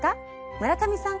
村上さん